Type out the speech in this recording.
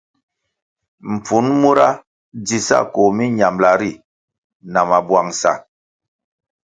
Mpfun mura dzi sa koh miñambʼla ri na mabwangʼsa.